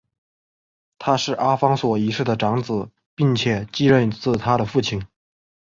他是阿方索一世的长子并且继任自他的父亲。